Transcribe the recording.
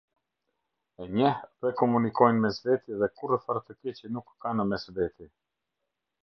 E njeh dhe komunikojnë mes veti dhe kurrëfarë të keqe nuk kanë mes veti.